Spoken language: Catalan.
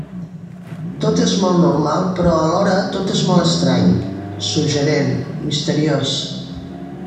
Tot és molt normal però alhora tot és molt estrany: suggerent, misteriós.